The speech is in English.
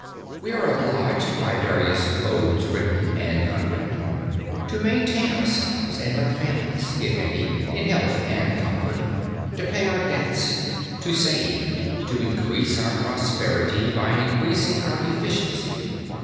We are obliged, by various codes written and unwritten, to maintain ourselves and our families (if any) in health and comfort, to pay our debts, to save, to increase our prosperity by increasing our efficiency.